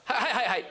はい。